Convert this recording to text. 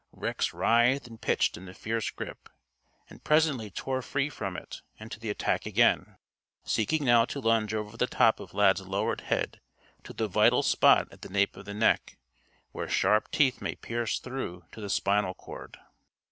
Rex writhed and pitched in the fierce grip, and presently tore free from it and to the attack again, seeking now to lunge over the top of Lad's lowered head to the vital spot at the nape of the neck, where sharp teeth may pierce through to the spinal cord.